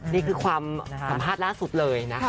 นี่คือความสัมภาษณ์ล่าสุดเลยนะคะ